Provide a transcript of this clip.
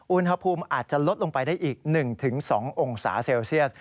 อุณหภูมิอาจจะลดลงไปได้อีก๑๒องศาเซลเซียส